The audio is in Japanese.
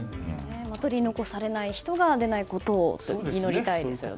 取り残されない人が出ないことを祈りたいですね。